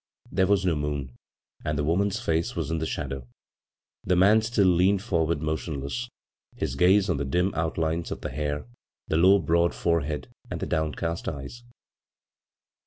There was no moon, and the woman's face was in the shadow. The man still leaned forward, motionless, his gaze on the dim outlines of the hair, the low broad fore head, and the downcast eyes.